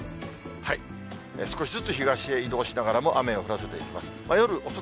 少しずつ東へ移動しながらも雨を降らせていきます。